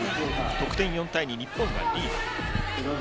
得点は４対２日本がリード。